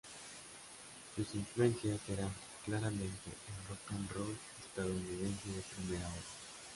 Sus influencias eran, claramente, el rock and roll estadounidense de primera hora.